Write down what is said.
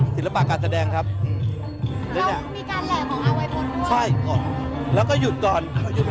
ศิลปะการแสดงครับแล้วมีการแหล่ของอาวัยทนด้วยใช่ก่อนแล้วก็หยุดก่อน